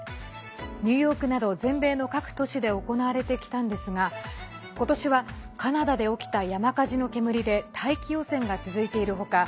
ニューヨークなど全米の各都市で行われてきたのですが今年はカナダで起きた山火事の煙で大気汚染が続いている他